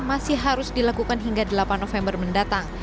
masih harus dilakukan hingga delapan november mendatang